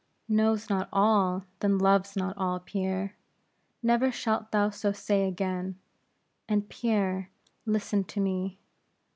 "Knows not all, then loves not all, Pierre. Never shalt thou so say again; and Pierre, listen to me.